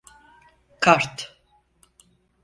Kart…